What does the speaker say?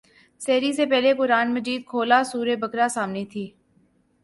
سحری سے پہلے قرآن مجید کھولا سورہ بقرہ سامنے تھی۔